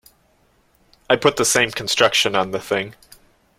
I put the same construction on the thing.